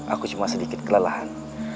aku cuma sedikit kelelahan